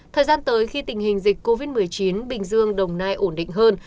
thời gian tới khi tình hình dịch covid một mươi chín bình dương đồng nai ổn định hơn